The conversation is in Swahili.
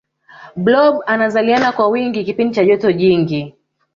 blob anazaliana kwa wingi kipindi cha joto jingi